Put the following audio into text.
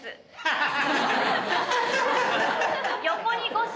ハハハハ！